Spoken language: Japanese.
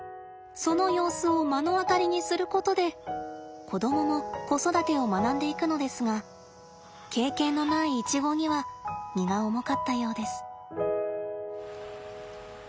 その様子を目の当たりにすることで子供も子育てを学んでいくのですが経験のないイチゴには荷が重かったようです。